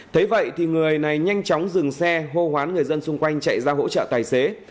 thế vậy thì người này nhanh chóng dừng xe hô hoán người dân xung quanh chạy ra hỗ trợ tài xế